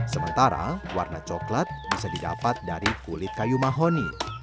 sementara warna coklat bisa didapat dari kulit kayu mahoni